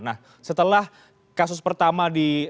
nah setelah kasus pengetatan